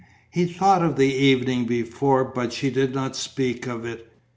He thought of the evening before, but she did not speak of it.